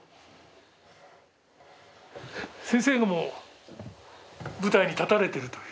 先生も舞台に立たれてるという。